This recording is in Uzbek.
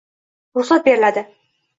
Ruxsat beriladi.